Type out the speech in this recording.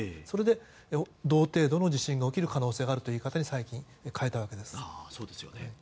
それで、同程度の地震が起きる可能性があるという言い方に最近、変えたわけです。